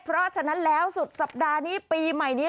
เพราะฉะนั้นแล้วสุดสัปดาห์นี้ปีใหม่นี้